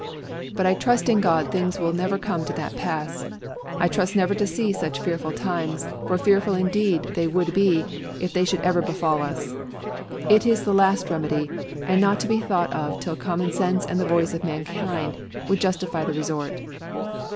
But I trust in God things will never come to that pass. I trust never to see such fearful times; for fearful indeed they would be, if they should ever befall us. It is the last remedy, and not to be thought of till common sense and the voice of mankind would justify the resort.